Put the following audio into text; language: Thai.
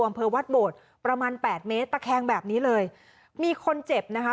อำเภอวัดโบดประมาณแปดเมตรตะแคงแบบนี้เลยมีคนเจ็บนะคะ